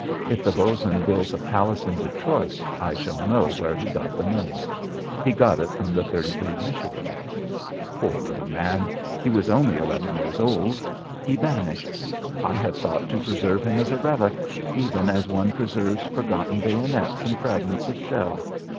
If the Bos'n builds a palace in Detroit, I shall know where he got the money. He got it from the 33d Michigan. Poor little man. He was only eleven years old. He vanished. I had thought to preserve him as a relic, even as one preserves forgotten bayonets and fragments of shell.